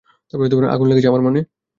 আগুন লেগেছে আমার মনে?